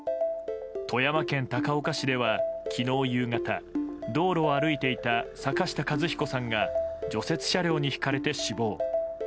富山県高岡市では昨日夕方道路を歩いていた坂下一彦さんが除雪車両にひかれて死亡。